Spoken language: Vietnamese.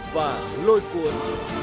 và lôi cuốn